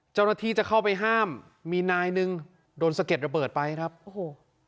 เจ้าหน้าที่จะเข้าไปห้ามมีนายหนึ่งโดนสะเก็ดระเบิดไปครับโอ้โห